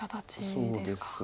そうですね。